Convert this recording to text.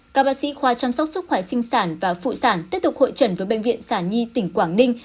các bác sĩ khoa chăm sóc sức khỏe sinh sản và phụ sản tiếp tục hội trần với bệnh viện sản nhi tỉnh quảng ninh